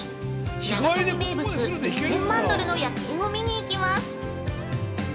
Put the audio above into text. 長崎名物１０００万ドルの夜景を見に行きます。